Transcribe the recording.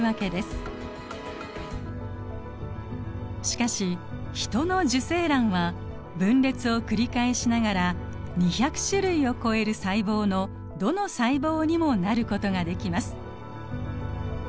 しかしヒトの受精卵は分裂を繰り返しながら２００種類を超える細胞のどの細胞にもなることができます。